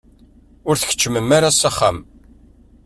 Ur tkeččmem ara s axxam?